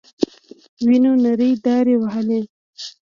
وينو نرۍ دارې وهلې.